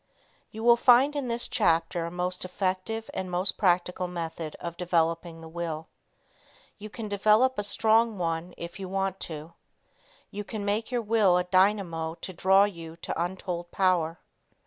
You will find in this chapter a most effective and most practical method of developing the will. You can develop a strong one if you want to. You can make your Will a dynamo to draw to you untold power.